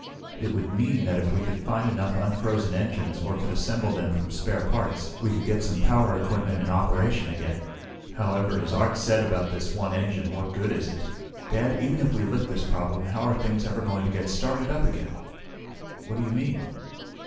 "It would mean that if we could find enough unfrozen engines, or could assemble them from spare parts, we could get some power equipment in operation again. "However, as Art said about this one engine, what good is it? Dad even if we lick this problem, how are things ever going to get started up again?" "What do you mean?"